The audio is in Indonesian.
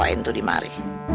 tawain tuh di mari